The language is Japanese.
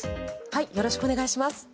よろしくお願いします。